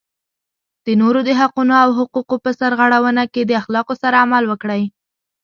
د نورو د حقونو او حقوقو په سرغړونه کې د اخلاقو سره عمل وکړئ.